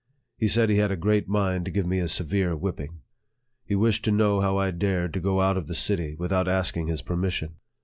He said he had a great mind to give me a severe whipping. He wished to know how I dared go out of the city without asking his permission.